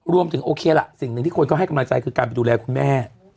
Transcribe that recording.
โอเคล่ะสิ่งหนึ่งที่คนก็ให้กำลังใจคือการไปดูแลคุณแม่